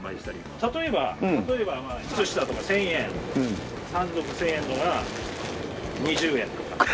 例えば靴下とか１０００円３足１０００円のが２０円とか。